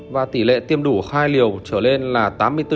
và tỷ lệ tiêm đủ hai liều trở lên là